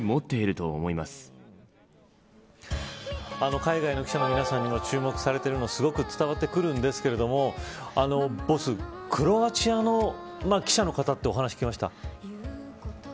海外の記者の皆さんにも注目されているのがすごく伝わってくるんですけどボス、クロアチアの記者の方ってお話、聞